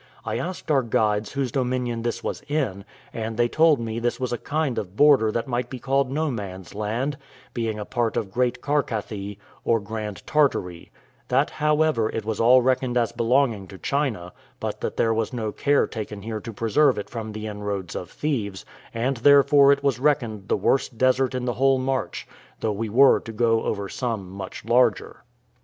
I asked our guides whose dominion this was in, and they told me this was a kind of border that might be called no man's land, being a part of Great Karakathy, or Grand Tartary: that, however, it was all reckoned as belonging to China, but that there was no care taken here to preserve it from the inroads of thieves, and therefore it was reckoned the worst desert in the whole march, though we were to go over some much larger.